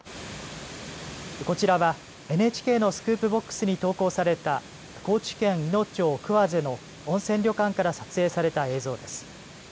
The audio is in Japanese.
こちらはＮＨＫのスクープボックスに投稿された高知県いの町桑瀬の温泉旅館から撮影された映像です。